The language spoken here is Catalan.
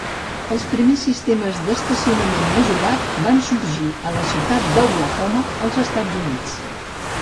Els primers sistemes d'estacionament mesurat van sorgir a la ciutat d'Oklahoma, als Estats Units.